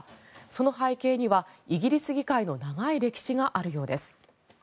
その背景にはイギリス議会の長い歴史があるようです。